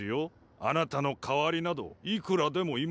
あなたの代わりなどいくらでもいますから。